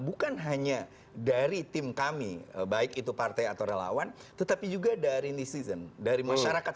bukan hanya dari tim kami baik itu partai atau relawan tetapi juga dari netizen dari masyarakat